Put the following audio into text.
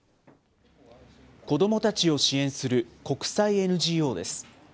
子どもたちを支援する国際ＮＧＯです。